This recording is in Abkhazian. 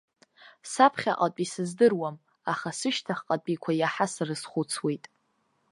Саԥхьаҟатәи сыздыруам, аха сышьҭахьҟатәиқәа иаҳа срызхәыцуеит.